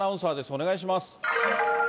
お願いします。